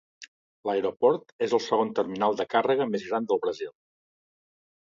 L'aeroport és el segon terminal de càrrega més gran del Brasil.